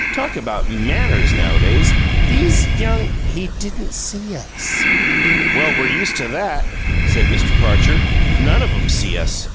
"Talk about MANNERS, nowadays! These young " "He didn't see us." "Well, we're used to that," said Mr. Parcher. "None of 'em see us.